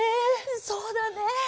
そうだね。